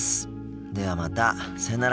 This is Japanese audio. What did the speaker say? ではまたさよなら。